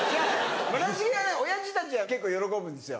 村重はねオヤジたちは結構喜ぶんですよ。